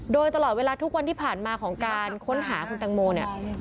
โดยตลอดเวลาทุกวันที่ผ่านมาของการค้นหาคุณแตงโมเนี่ย